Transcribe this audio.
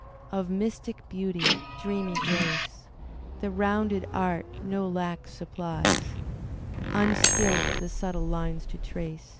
Of mystic beauty, dreamy grace. The rounded art no lack supplies; Unskilled the subtle lines to trace.